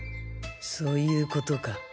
そういうことか